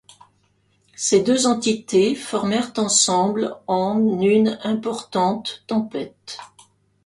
Ces deux entités formèrent ensemble en une importante tempête.